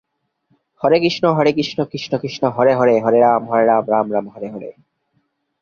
West Indies cricket দল এখনও সেই সব অনেক রাষ্ট্রের হয়ে প্রতিনিধিত্ব করছে।